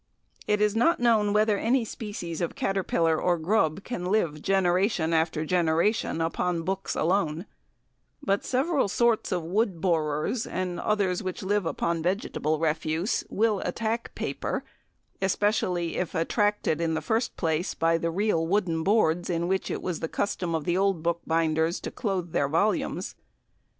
It is not known whether any species of caterpillar or grub can live generation after generation upon books alone, but several sorts of wood borers, and others which live upon vegetable refuse, will attack paper, especially if attracted in the first place by the real wooden boards in which it was the custom of the old book binders to clothe their volumes.